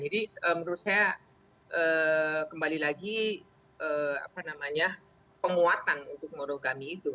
jadi menurut saya kembali lagi apa namanya penguatan untuk monogami itu